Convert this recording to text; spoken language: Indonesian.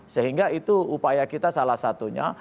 sehingga itu upaya kita salah satunya